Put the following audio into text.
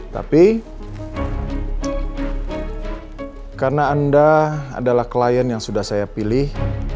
tapi karena anda adalah klien yang sudah saya pilih